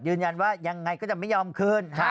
ยืนยันว่ายังไงก็จะไม่ยอมคืน